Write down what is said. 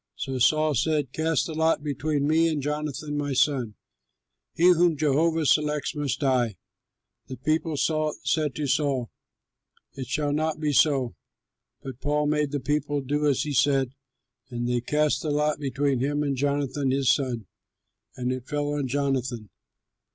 So Saul said, "Cast the lot between me and Jonathan my son. He whom Jehovah selects must die." The people said to Saul, "It shall not be so!" But Saul made the people do as he said, and they cast the lot between him and Jonathan his son; and it fell on Jonathan.